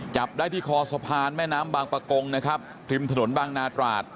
จับได้ที่คอสะพานแม่น้ำบางประกงนะครับริมถนนบางนาตราด